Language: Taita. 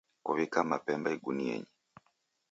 Kuwika mapemba igunienyi.